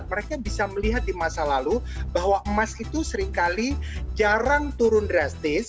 mereka bisa melihat di masa lalu bahwa emas itu seringkali jarang turun drastis